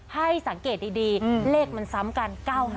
ให้สังเกตดีเลขมันซ้ำกัน๙๕